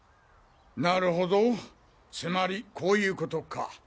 なるほどつまりこういう事か。